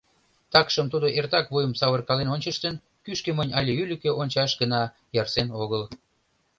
Такшым тудо эртак вуйым савыркален ончыштын, кӱшкӧ монь але ӱлыкӧ ончаш гына ярсен огыл.